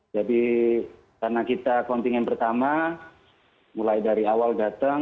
jadi karena kita kontingen pertama mulai dari awal datang